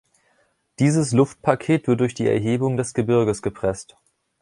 Dieses Luftpaket wird durch die Erhebung des Gebirges gepresst.